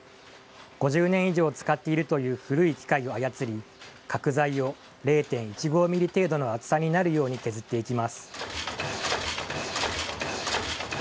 ５０年以上使っているという古い機械を操り、角材を０．１５ミリ程度の厚さになるよう削っていきます。